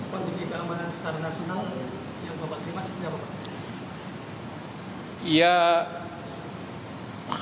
kondisi keamanan secara nasional yang bapak terima seperti apa pak